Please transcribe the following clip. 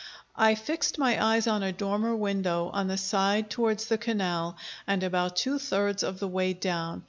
I fixed my eyes on a dormer window on the side towards the canal, and about two thirds of the way down.